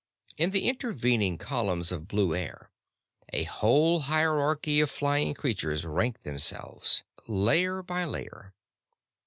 In the intervening columns of blue air a whole hierarchy of flying creatures ranked themselves, layer by layer.